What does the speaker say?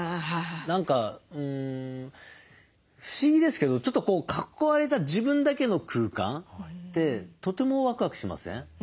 何か不思議ですけどちょっとこう囲われた自分だけの空間ってとてもワクワクしません？